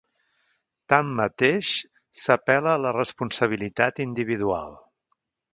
Tanmateix, s’apel·la a la responsabilitat individual.